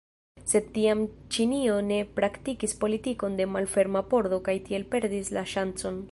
Sed tiam Ĉinio ne praktikis politikon de malferma pordo kaj tiel perdis la ŝancon.